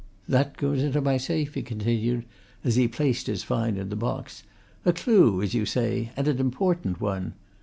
"That goes into my safe," he continued, as he placed his find in the box. "A clue, as you say, and an important one.